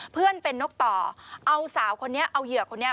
เพื่อนเป็นนกต่อเอาสาวคนนี้เอาเหยื่อคนนี้